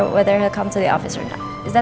mengingat apakah dia akan datang ke pejabat atau tidak